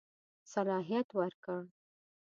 صلاحیت ورکړ.